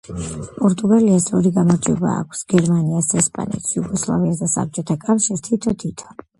პორტუგალიას ორი გამარჯვება აქვს, გერმანიას, ესპანეთს, იუგოსლავიას და საბჭოთა კავშირს თითო-თითო.